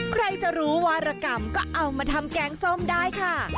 ใครจะรู้วารกรรมก็เอามาทำแกงส้มได้ค่ะ